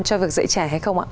cho việc dạy trẻ hay không ạ